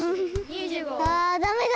あダメだ。